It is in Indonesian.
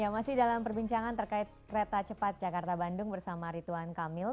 masih dalam perbincangan terkait kereta cepat jakarta bandung bersama rituan kamil